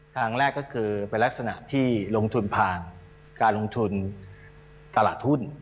ทางแรกก็คือเป็นลักษณะที่ลงทุนผ่านการลงทุนตลาดหุ้น